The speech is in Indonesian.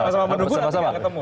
sama sama menunggu nanti ketemu